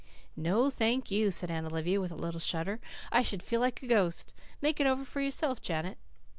"No, thank you," said Aunt Olivia, with a little shudder. "I should feel like a ghost. Make it over for yourself, Janet."